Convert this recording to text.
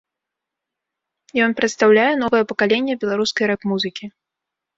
Ён прадстаўляе новае пакаленне беларускай рэп-музыкі.